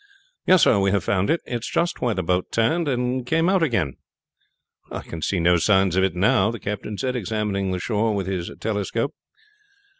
"Yes, sir, we have found it. It is just where the boat turned and came out again." "I can see no signs of it now," the captain said, examining the shore with his telescope.